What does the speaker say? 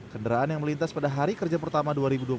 kendaraan yang melintas pada hari kerja pertama dua ribu dua puluh tiga